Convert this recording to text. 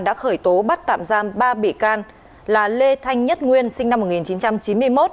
đã khởi tố bắt tạm giam ba bị can là lê thanh nhất nguyên sinh năm một nghìn chín trăm chín mươi một